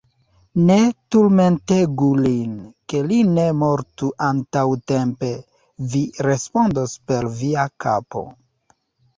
Ne turmentegu lin, ke li ne mortu antaŭtempe: vi respondos per via kapo!